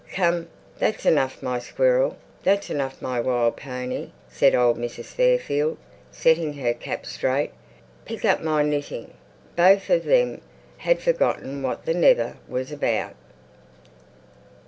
"Come, that's enough, my squirrel! That's enough, my wild pony!" said old Mrs. Fairfield, setting her cap straight. "Pick up my knitting." Both of them had forgotten what the "never" was about.